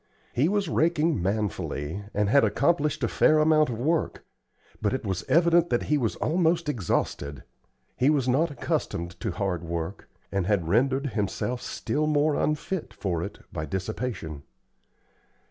He was raking manfully, and had accomplished a fair amount of work, but it was evident that he was almost exhausted. He was not accustomed to hard work, and had rendered himself still more unfit for it by dissipation.